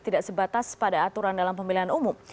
tidak sebatas pada aturan dalam pemilihan umum